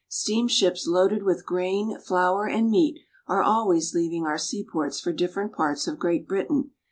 Steamships loaded with grain, flour, and meat are always leaving our seaports for different parts of Great Britain.